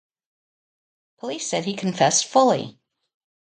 Police said he confessed fully.